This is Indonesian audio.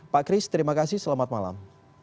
pak kris terima kasih selamat malam